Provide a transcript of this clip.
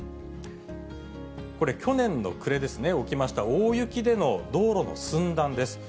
これ、去年の暮れですね、起きました大雪での道路の寸断です。